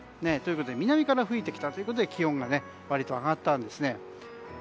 南から吹いてきたということで気温が割と上がったんですね。